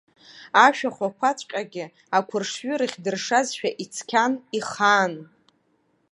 Ашәахәақәаҵәҟьагьы ақәыршҩы рыхьдыршазшәа ицқьан, ихаан.